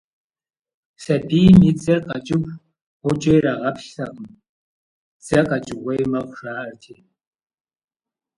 Сабийм и дзэр къэкӏыху гъуджэ ирагъаплъэртэкъым, дзэ къэкӏыгъуей мэхъу, жаӏэрти.